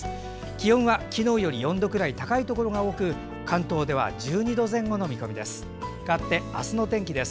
気温は、昨日より４度くらい高いところが多く関東では１２度前後の見込みです。